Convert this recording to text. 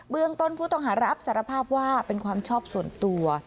ต้นผู้ต้องหารับสารภาพว่าเป็นความชอบส่วนตัว